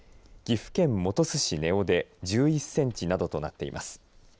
岐阜県本巣市根尾で１１センチなどとなっています。